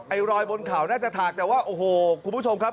รอยบนเขาน่าจะถากแต่ว่าโอ้โหคุณผู้ชมครับ